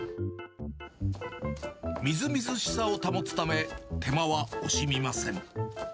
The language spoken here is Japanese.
みずみずしさを保つため、手間は惜しみません。